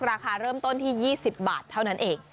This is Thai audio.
ราคาเริ่มต้นที่๒๐บาทเท่านั้นเอง